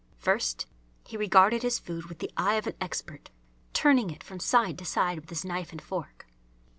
First he regarded his food with the eye of an expert, turning it from side to side with his knife and fork.